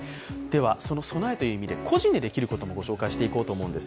その備えという意味で個人でできることも紹介していきたいと思います。